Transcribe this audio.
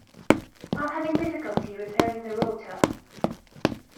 I'm having difficulty repairing the router.